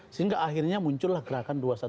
sehingga akhirnya muncullah gerakan dua ratus dua belas